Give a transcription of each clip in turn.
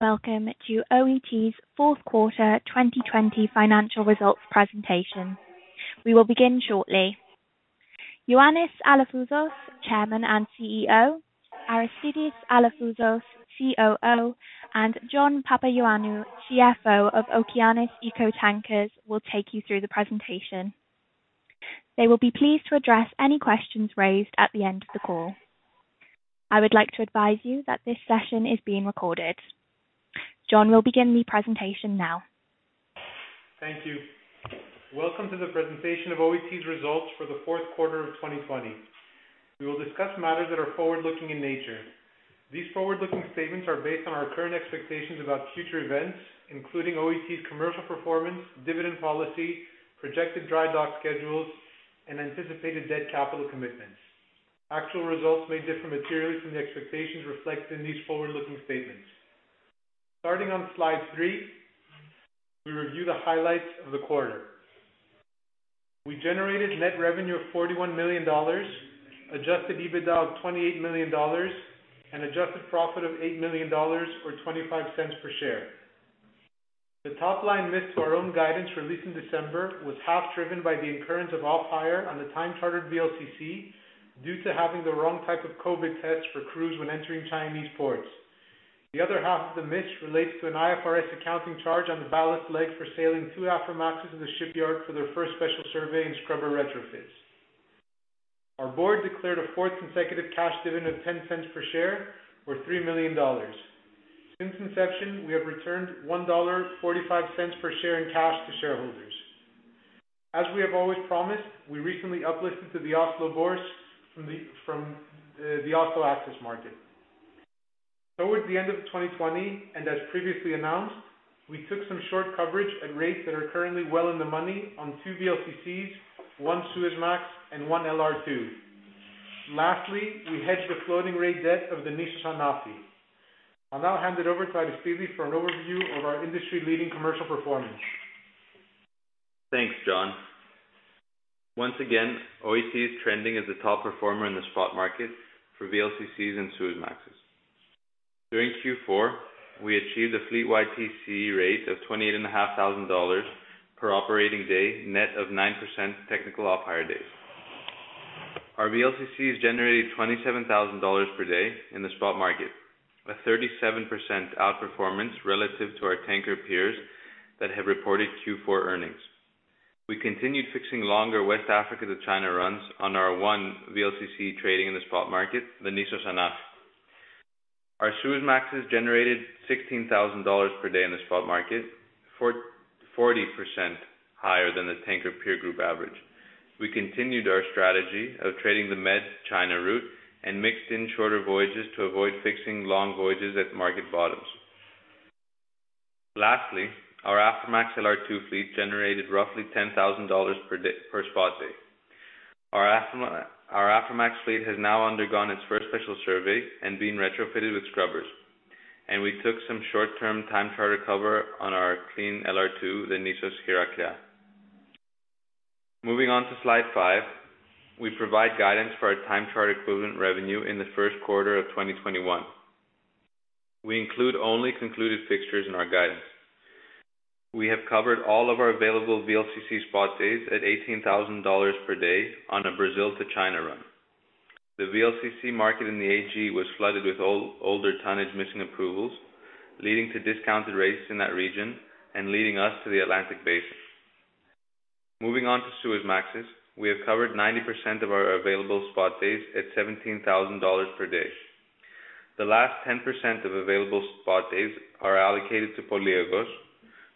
Welcome to OET's Fourth Quarter 2020 Financial Results Presentation. We will begin shortly. Ioannis Alafouzos, Chairman and CEO, Aristidis Alafouzos, COO, and John Papaioannou, CFO of Okeanis Eco Tankers, will take you through the presentation. They will be pleased to address any questions raised at the end of the call. I would like to advise you that this session is being recorded. John will begin the presentation now. Thank you. Welcome to the presentation of OET's results for the fourth quarter of 2020. We will discuss matters that are forward-looking in nature. These forward-looking statements are based on our current expectations about future events, including OET's commercial performance, dividend policy, projected dry dock schedules, and anticipated debt capital commitments. Actual results may differ materially from the expectations reflected in these forward-looking statements. Starting on slide three, we review the highlights of the quarter. We generated net revenue of $41 million, adjusted EBITDA of $28 million, and adjusted profit of $8 million or $0.25 per share. The top-line miss to our own guidance released in December was half driven by the incurrence of off-hire on the time chartered VLCC due to having the wrong type of COVID test for crews when entering Chinese ports. The other half of the miss relates to an IFRS accounting charge on the ballast leg for sailing two Aframaxes to the shipyard for their first special survey in scrubber retrofits. Our board declared a fourth consecutive cash dividend of $0.10 per share, or $3 million. Since inception, we have returned $1.45 per share in cash to shareholders. As we have always promised, we recently uplisted to the Oslo Børs from the Oslo Axess market. Towards the end of 2020, and as previously announced, we took some short coverage at rates that are currently well in the money on two VLCCs, one Suezmax, and one LR2. Lastly, we hedged the floating rate debt of the Nissos Anafi. I'll now hand it over to Aristidis for an overview of our industry-leading commercial performance. Thanks, John. Once again, OET is trending as the top performer in the spot market for VLCCs and Suezmaxes. During Q4, we achieved a fleet-wide TCE rate of $28,500 per operating day, net of 9% technical off-hire days. Our VLCC has generated $27,000 per day in the spot market, a 37% outperformance relative to our tanker peers that have reported Q4 earnings. We continued fixing longer West Africa to China runs on our one VLCC trading in the spot market, the Nissos Anafi. Our Suezmax has generated $16,000 per day in the spot market, 40% higher than the tanker peer group average. We continued our strategy of trading the Med China route and mixed in shorter voyages to avoid fixing long voyages at market bottoms. Lastly, our Aframax LR2 fleet generated roughly $10,000 per spot day. Our Aframax fleet has now undergone its first special survey and been retrofitted with scrubbers, and we took some short-term time charter cover on our clean LR2, the Nissos Heraclea. Moving on to slide five, we provide guidance for our time charter equivalent revenue in the first quarter of 2021. We include only concluded fixtures in our guidance. We have covered all of our available VLCC spot days at $18,000 per day on a Brazil to China run. The VLCC market in the AG was flooded with older tonnage missing approvals, leading to discounted rates in that region and leading us to the Atlantic basin. Moving on to Suezmaxes, we have covered 90% of our available spot days at $17,000 per day. The last 10% of available spot days are allocated to Polyaigos,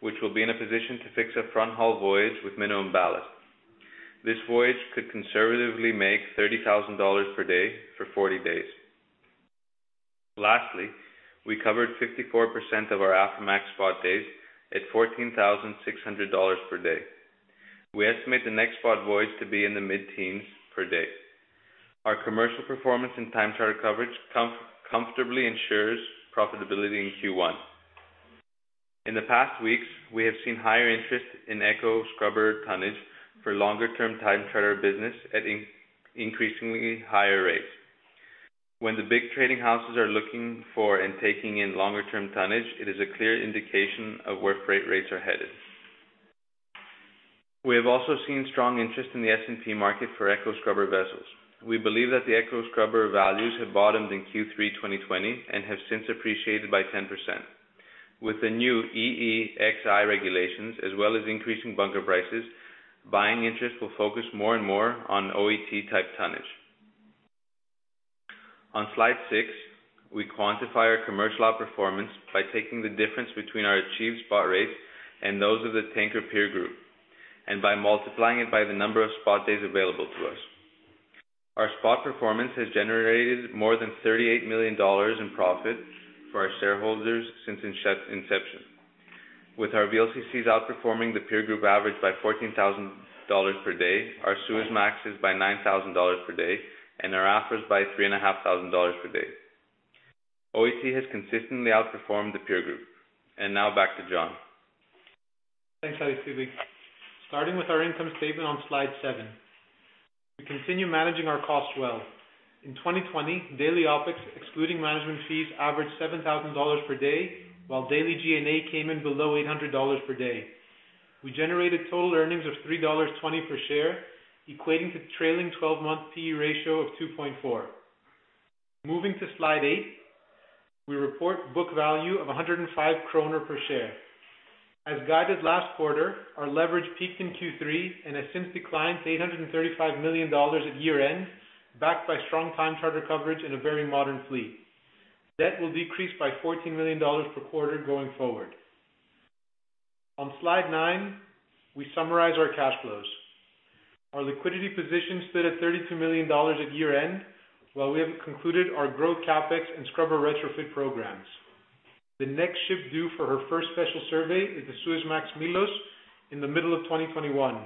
which will be in a position to fix a front-haul voyage with minimum ballast. This voyage could conservatively make $30,000 per day for 40 days. Lastly, we covered 54% of our Aframax spot days at $14,600 per day. We estimate the next spot voyage to be in the mid-teens per day. Our commercial performance and time charter coverage comfortably ensures profitability in Q1. In the past weeks, we have seen higher interest in Eco Scrubber tonnage for longer-term time charter business at increasingly higher rates. When the big trading houses are looking for and taking in longer-term tonnage, it is a clear indication of where freight rates are headed. We have also seen strong interest in the S&P market for Eco Scrubber vessels. We believe that the Eco Scrubber values have bottomed in Q3 2020 and have since appreciated by 10%. With the new EEXI regulations, as well as increasing bunker prices, buying interest will focus more and more on OET-type tonnage. On slide six, we quantify our commercial outperformance by taking the difference between our achieved spot rates and those of the tanker peer group, and by multiplying it by the number of spot days available to us. Our spot performance has generated more than $38 million in profit for our shareholders since inception. With our VLCCs outperforming the peer group average by $14,000 per day, our Suezmaxes by $9,000 per day, and our Aframaxes by $3,500 per day. OET has consistently outperformed the peer group, and now back to John. Thanks, Aristidis. Starting with our income statement on slide seven, we continue managing our costs well. In 2020, daily OPEX, excluding management fees, averaged $7,000 per day, while daily G&A came in below $800 per day. We generated total earnings of $3.20 per share, equating to trailing 12-month P/E ratio of 2.4. Moving to slide eight, we report book value of 105 kroner per share. As guided last quarter, our leverage peaked in Q3 and has since declined to $835 million at year-end, backed by strong time charter coverage and a very modern fleet. Debt will decrease by $14 million per quarter going forward. On slide nine, we summarize our cash flows. Our liquidity position stood at $32 million at year-end, while we have concluded our growth CapEx and scrubber retrofit programs. The next ship due for her first special survey is the Suezmax Milos in the middle of 2021.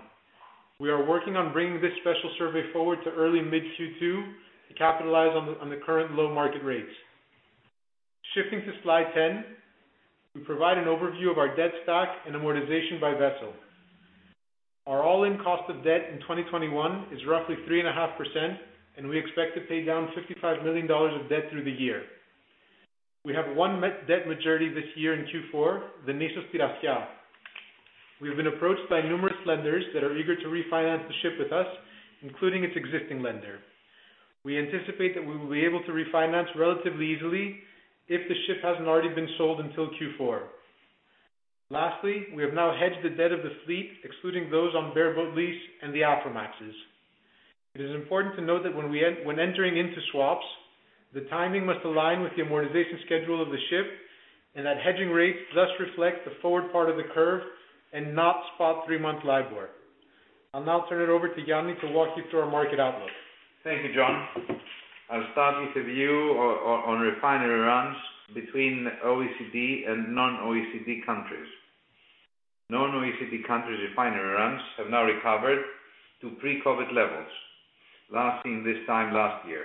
We are working on bringing this special survey forward to early mid-Q2 to capitalize on the current low market rates. Shifting to slide 10, we provide an overview of our debt stack and amortization by vessel. Our all-in cost of debt in 2021 is roughly 3.5%, and we expect to pay down $55 million of debt through the year. We have one debt maturity this year in Q4, the Nissos Thirassia. We have been approached by numerous lenders that are eager to refinance the ship with us, including its existing lender. We anticipate that we will be able to refinance relatively easily if the ship hasn't already been sold until Q4. Lastly, we have now hedged the debt of the fleet, excluding those on bareboat lease and the Aframaxes. It is important to note that when entering into swaps, the timing must align with the amortization schedule of the ship and that hedging rates thus reflect the forward part of the curve and not spot three-month LIBOR. I'll now turn it over to Yannis to walk you through our market outlook. Thank you, John. I'll start with a view on refinery runs between OECD and non-OECD countries. Non-OECD countries' refinery runs have now recovered to pre-COVID levels, last seen this time last year.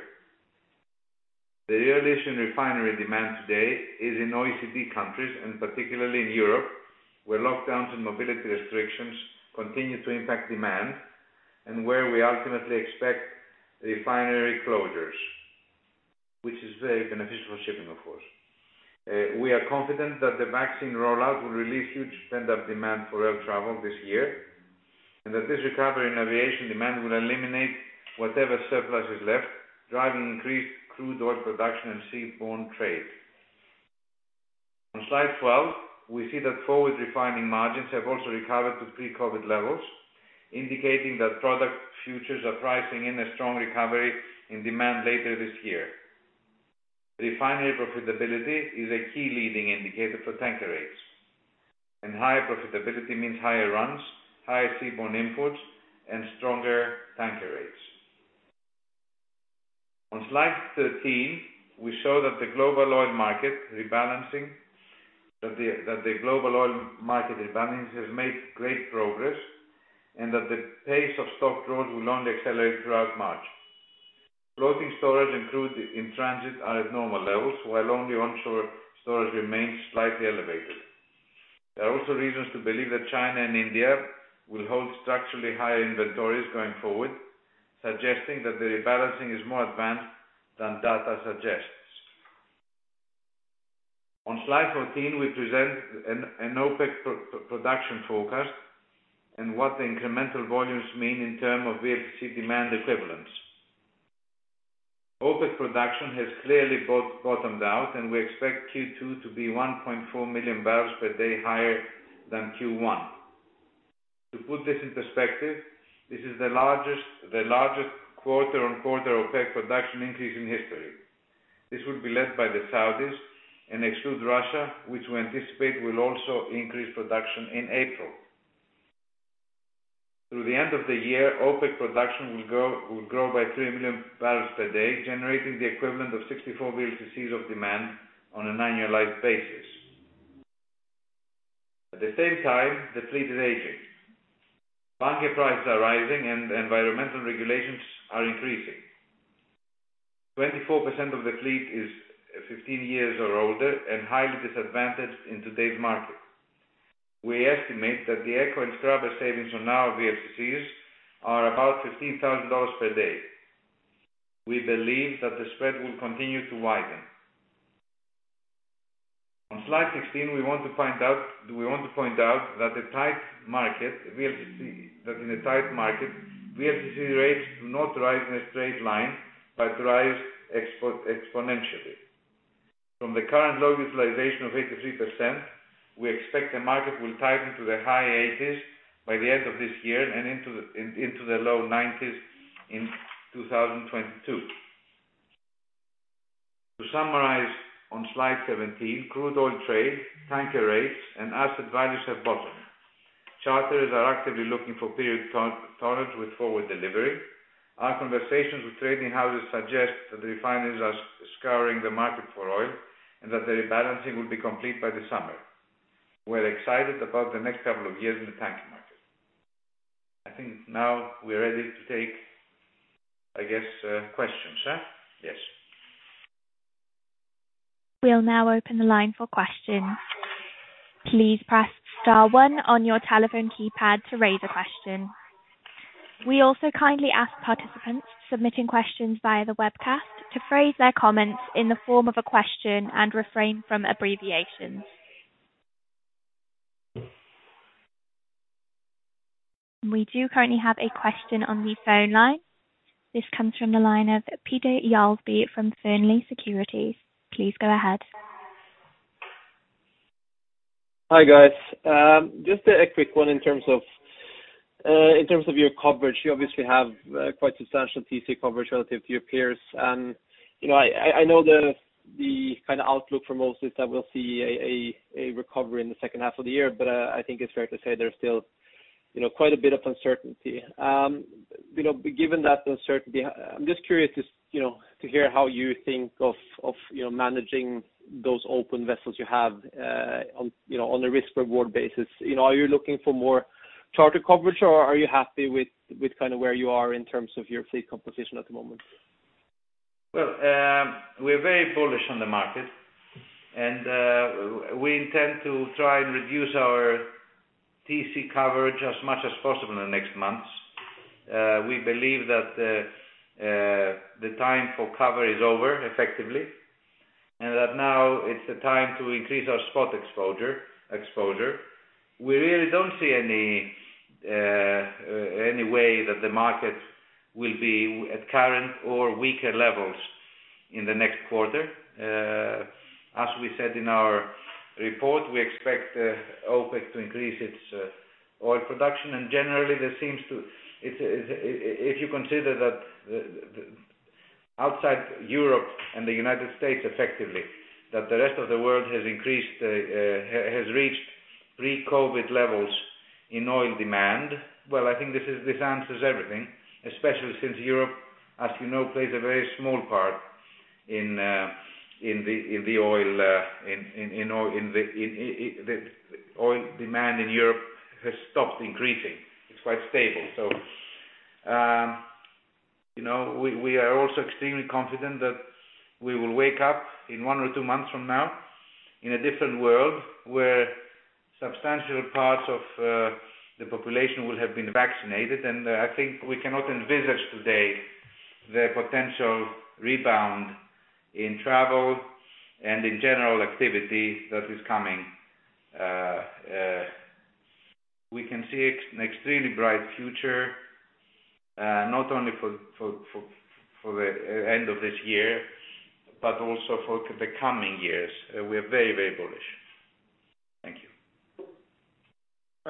The earliest refinery demand today is in OECD countries, and particularly in Europe, where lockdowns and mobility restrictions continue to impact demand and where we ultimately expect refinery closures, which is very beneficial for shipping, of course. We are confident that the vaccine rollout will release huge pent-up demand for air travel this year and that this recovery in aviation demand will eliminate whatever surplus is left, driving increased crude oil production and seaborne trade. On slide 12, we see that forward refining margins have also recovered to pre-COVID levels, indicating that product futures are pricing in a strong recovery in demand later this year. Refinery profitability is a key leading indicator for tanker rates, and higher profitability means higher runs, higher seaborne inputs, and stronger tanker rates. On slide 13, we show that the global oil market rebalancing has made great progress and that the pace of stock draws will only accelerate throughout March. Floating storage and crude in transit are at normal levels, while only onshore storage remains slightly elevated. There are also reasons to believe that China and India will hold structurally higher inventories going forward, suggesting that the rebalancing is more advanced than data suggests. On slide 14, we present an OPEC production forecast and what the incremental volumes mean in terms of VLCC demand equivalence. OPEC production has clearly bottomed out, and we expect Q2 to be 1.4 million barrels per day higher than Q1. To put this in perspective, this is the largest quarter-on-quarter OPEC production increase in history. This will be led by the Saudis and exclude Russia, which we anticipate will also increase production in April. Through the end of the year, OPEC production will grow by three million barrels per day, generating the equivalent of 64 VLCCs of demand on an annualized basis. At the same time, the fleet is aging. Bunker prices are rising, and environmental regulations are increasing. 24% of the fleet is 15 years or older and highly disadvantaged in today's market. We estimate that the Eco and Scrubber savings on our VLCCs are about $15,000 per day. We believe that the spread will continue to widen. On slide 16, we want to point out that in a tight market, VLCC rates do not rise in a straight line but rise exponentially. From the current low utilization of 83%, we expect the market will tighten to the high 80s by the end of this year and into the low 90s in 2022. To summarize on slide 17, crude oil trade, tanker rates, and asset values have bottomed. Charterers are actively looking for period tonnage with forward delivery. Our conversations with trading houses suggest that the refineries are scouring the market for oil and that the rebalancing will be complete by the summer. We're excited about the next couple of years in the tanker market. I think now we're ready to take, I guess, questions, huh? Yes. We'll now open the line for questions. Please press star one on your telephone keypad to raise a question. We also kindly ask participants submitting questions via the webcast to phrase their comments in the form of a question and refrain from abbreviations. We do currently have a question on the phone line. This comes from the line of Peder Jarlsby from Fearnley Securities. Please go ahead. Hi, guys. Just a quick one in terms of your coverage. You obviously have quite substantial TC coverage relative to your peers. I know the kind of outlook for most is that we'll see a recovery in the second half of the year, but I think it's fair to say there's still quite a bit of uncertainty. Given that uncertainty, I'm just curious to hear how you think of managing those open vessels you have on a risk-reward basis. Are you looking for more charter coverage, or are you happy with kind of where you are in terms of your fleet composition at the moment? We're very bullish on the market, and we intend to try and reduce our TC coverage as much as possible in the next months. We believe that the time for cover is over, effectively, and that now it's the time to increase our spot exposure. We really don't see any way that the market will be at current or weaker levels in the next quarter. As we said in our report, we expect OPEC to increase its oil production, and generally, there seems to, if you consider that outside Europe and the United States, effectively, that the rest of the world has reached pre-COVID levels in oil demand. Well, I think this answers everything, especially since Europe, as you know, plays a very small part in the oil demand in Europe has stopped increasing. It's quite stable. We are also extremely confident that we will wake up in one or two months from now in a different world where substantial parts of the population will have been vaccinated, and I think we cannot envisage today the potential rebound in travel and in general activity that is coming. We can see an extremely bright future, not only for the end of this year but also for the coming years. We are very, very bullish.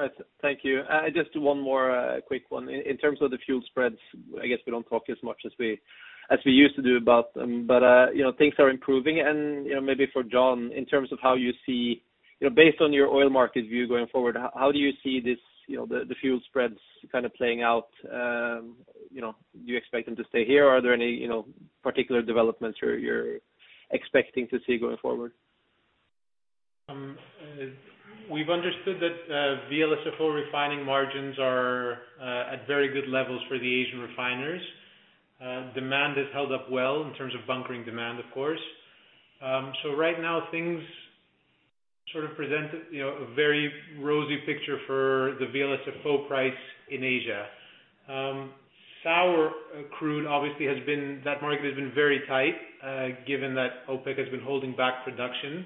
Thank you. All right. Thank you. Just one more quick one. In terms of the fuel spreads, I guess we don't talk as much as we used to do about them, but things are improving. And maybe for John, in terms of how you see, based on your oil market view going forward, how do you see the fuel spreads kind of playing out? Do you expect them to stay here, or are there any particular developments you're expecting to see going forward? We've understood that VLSFO refining margins are at very good levels for the Asian refineries. Demand has held up well in terms of bunkering demand, of course, so right now, things sort of present a very rosy picture for the VLSFO price in Asia. Sour crude, obviously, that market has been very tight, given that OPEC has been holding back production.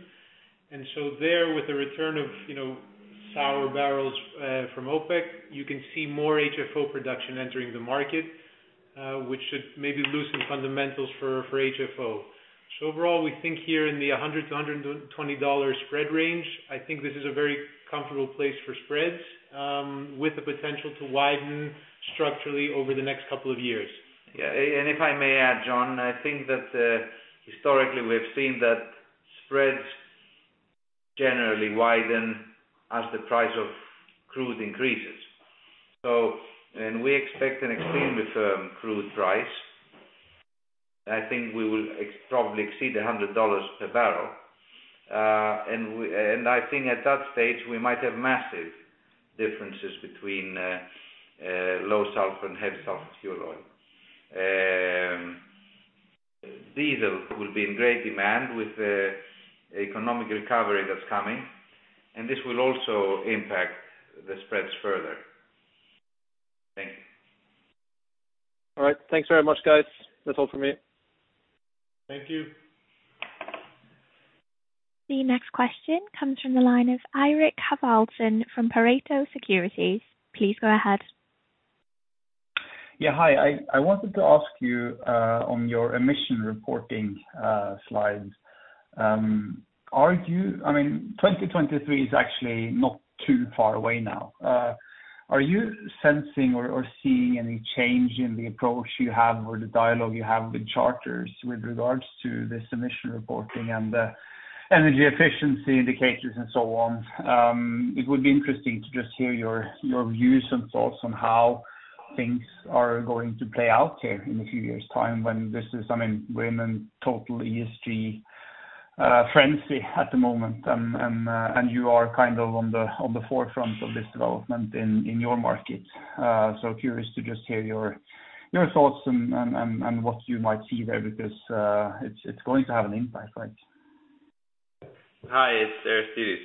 And so there, with the return of sour barrels from OPEC, you can see more HFO production entering the market, which should maybe loosen fundamentals for HFO, so overall, we think here in the $100 to $120 spread range, I think this is a very comfortable place for spreads with the potential to widen structurally over the next couple of years. Yeah. And if I may add, John, I think that historically, we have seen that spreads generally widen as the price of crude increases. And we expect an extremely firm crude price. I think we will probably exceed $100 per barrel. And I think at that stage, we might have massive differences between low sulfur and heavy sulfur fuel oil. Diesel will be in great demand with the economic recovery that's coming, and this will also impact the spreads further. Thank you. All right. Thanks very much, guys. That's all from me. Thank you. The next question comes from the line of Eirik Haavaldsen from Pareto Securities. Please go ahead. Yeah. Hi. I wanted to ask you on your emission reporting slides. I mean, 2023 is actually not too far away now. Are you sensing or seeing any change in the approach you have or the dialogue you have with charters with regards to this emission reporting and the energy efficiency indicators and so on? It would be interesting to just hear your views and thoughts on how things are going to play out here in a few years' time when this is, I mean, we're in a total ESG frenzy at the moment, and you are kind of on the forefront of this development in your market. So curious to just hear your thoughts and what you might see there because it's going to have an impact, right? Hi. It's Aristidis.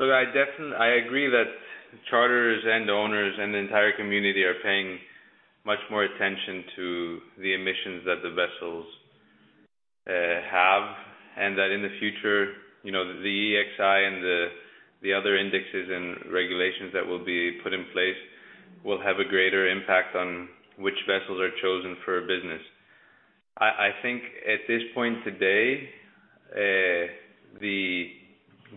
Look, I agree that charters and owners and the entire community are paying much more attention to the emissions that the vessels have and that in the future, the EEXI and the other indexes and regulations that will be put in place will have a greater impact on which vessels are chosen for business. I think at this point today, the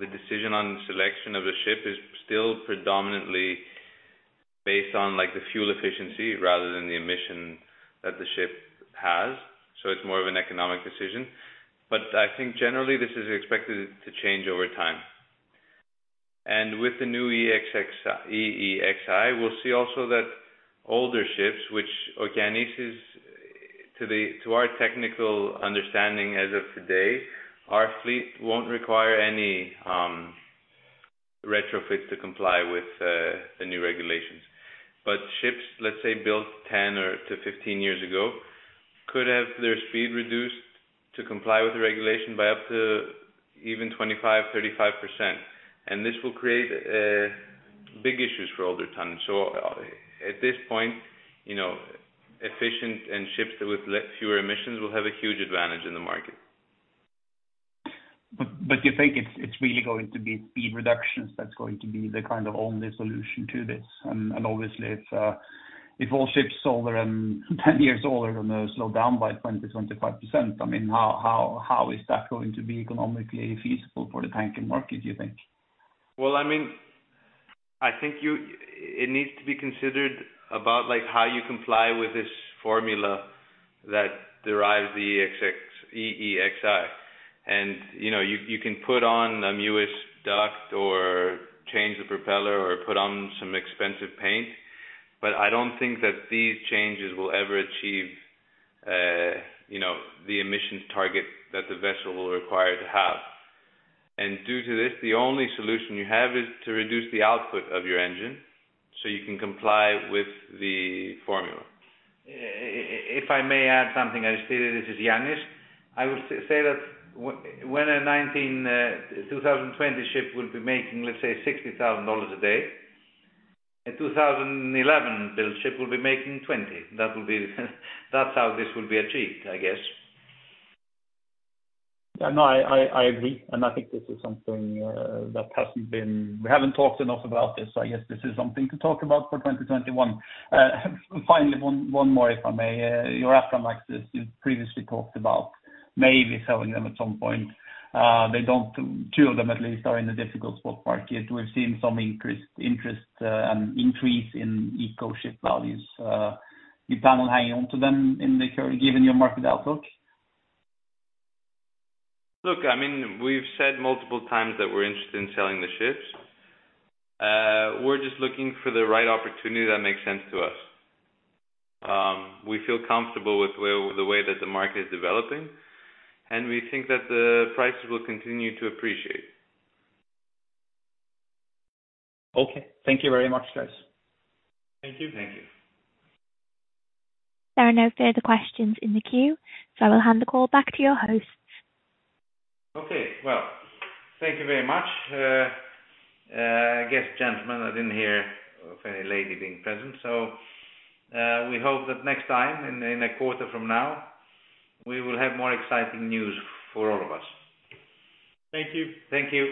decision on selection of a ship is still predominantly based on the fuel efficiency rather than the emission that the ship has. So it's more of an economic decision, but I think generally, this is expected to change over time, and with the new EEXI, we'll see also that older ships, which, again, to our technical understanding as of today, our fleet won't require any retrofits to comply with the new regulations. Ships, let's say, built 10-15 years ago could have their speed reduced to comply with the regulation by up to even 25%-35%. This will create big issues for older tonnage. At this point, efficient ships with fewer emissions will have a huge advantage in the market. But do you think it's really going to be speed reductions that's going to be the kind of only solution to this? And obviously, if all ships are 10 years older and slow down by 20% to 25%, I mean, how is that going to be economically feasible for the tanker market, do you think? I mean, I think it needs to be considered about how you comply with this formula that derives the EEXI. You can put on a Mewis Duct or change the propeller or put on some expensive paint, but I don't think that these changes will ever achieve the emissions target that the vessel will require to have. Due to this, the only solution you have is to reduce the output of your engine so you can comply with the formula. If I may add something, Aristidis, this is Ioannis. I would say that when a 2020 ship will be making, let's say, $60,000 a day, a 2011-built ship will be making $20,000. That's how this will be achieved, I guess. Yeah. No, I agree. And I think this is something that hasn't been. We haven't talked enough about this. I guess this is something to talk about for 2021. Finally, one more, if I may. Your Aframaxes, LR2s, you previously talked about maybe selling them at some point. Two of them, at least, are in a difficult spot market. We've seen some increase in Eco ship values. You plan on hanging on to them given your market outlook? Look, I mean, we've said multiple times that we're interested in selling the ships. We're just looking for the right opportunity that makes sense to us. We feel comfortable with the way that the market is developing, and we think that the prices will continue to appreciate. Okay. Thank you very much, guys. Thank you. Thank you. There are no further questions in the queue, so I will hand the call back to your hosts. Okay. Well, thank you very much. I guess, gentlemen, I didn't hear of any lady being present. So we hope that next time and in a quarter from now, we will have more exciting news for all of us. Thank you. Thank you.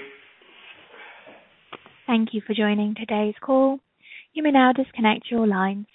Thank you for joining today's call. You may now disconnect your lines.